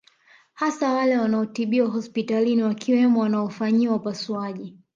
Hasa wale wanaotibiwa hospitalini wakiwemo wanaofanyiwa upasuaji